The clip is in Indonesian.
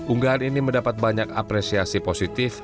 unggahan ini mendapat banyak apresiasi positif